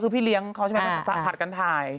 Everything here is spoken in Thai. คือพี่เลี้ยงเขาใช่ไหมผัดกันถ่าย